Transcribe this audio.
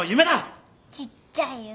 ちっちゃい夢。